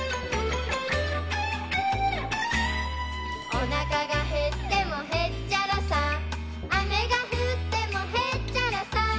「おなかがへってもへっちゃらさ」「雨が降ってもへっちゃらさ」